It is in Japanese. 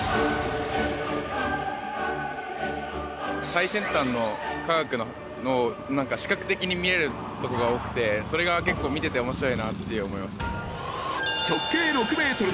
最先端の科学を視覚的に見えるとこが多くてそれが結構見てて面白いなって思いました。